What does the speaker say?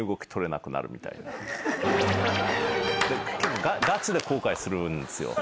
結構がちで後悔するんですよ。